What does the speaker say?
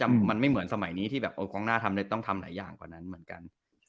แต่มันไม่เหมือนสมัยนี้ที่แบบกองหน้าทำต้องทำหลายอย่างกว่านั้นเหมือนกัน